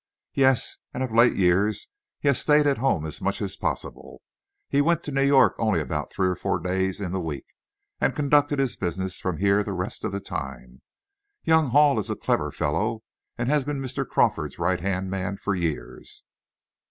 "Yes; and of late years he has stayed at home as much as possible. He went to New York only about three or four days in the week, and conducted his business from here the rest of the time. Young Hall is a clever fellow, and has been Mr. Crawford's righthand man for years."